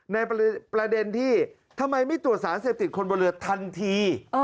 ในประเด็นที่ทำไมไม่ตรวจสารเสพติดคนบนเรือทันที